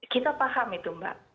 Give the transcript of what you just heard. kita paham itu mbak